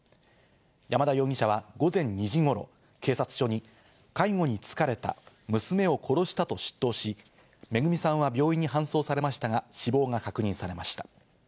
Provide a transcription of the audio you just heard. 山田容疑者は午前２時頃、警察署に介護に疲れた、娘を殺したと出頭し、めぐみさんは病院に搬送されましたが死亡が確認されました。